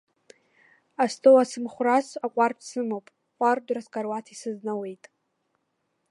Астол ацымхәрас аҟәардә сымоуп, ҟәардәра скаруаҭ исызнауеит.